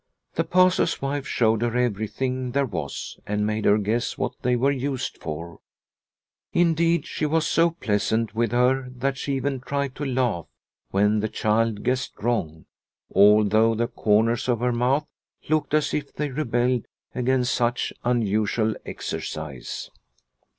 The Pastor's wife showed her everything there was and made her guess what they were used for. Indeed, she was so pleasant with her that she even tried to laugh when the child guessed wrong, although the corners of her mouth looked as if they rebelled against such unusual exercise.